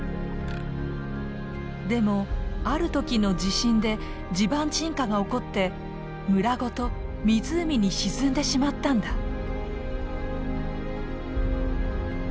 でもある時の地震で地盤沈下が起こって村ごと湖に沈んでしまったんだ。